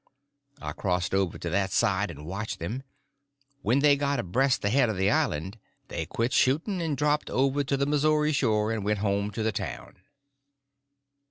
I crossed over to that side and watched them. When they got abreast the head of the island they quit shooting and dropped over to the Missouri shore and went home to the town.